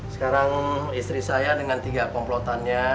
sekarang istri saya dengan tiga komplotannya